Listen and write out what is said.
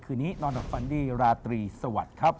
คืนนี้นอนกับฟันดี้ราตรีสวัสดีครับ